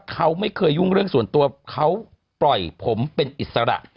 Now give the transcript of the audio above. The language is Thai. เขาไม่เคยยุ่งเรื่องส่วนตัวเขาปล่อยผมเป็นอิสระ